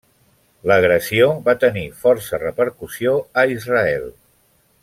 L'agressió va tenir força repercussió a Israel.